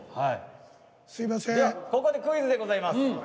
ここでクイズでございます。